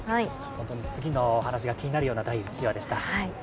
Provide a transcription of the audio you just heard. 次の話が気になるような第１話でした。